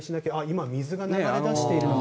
今、水が流れ出しているのが。